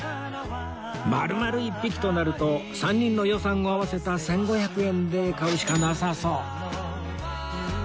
丸々１匹となると３人の予算を合わせた１５００円で買うしかなさそう